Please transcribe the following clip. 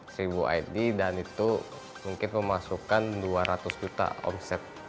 jadi dan itu mungkin memasukkan rp dua ratus juta omset